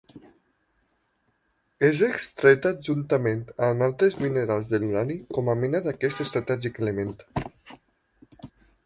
És extreta juntament amb altres minerals de l'urani com a mena d'aquest estratègic element.